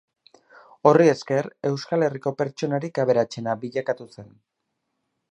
Horri esker, Euskal Herriko pertsonarik aberatsena bilakatu zen.